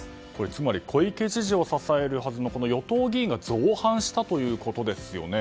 つまり、小池知事を支えるはずの与党議員が造反したということですよね。